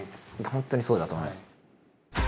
本当にそうだと思います。